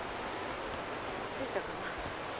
着いたかな。